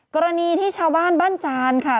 กรณีที่ชาวบ้านบ้านจานค่ะ